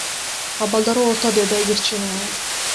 Абалдары орто, — деди Айгерчинова.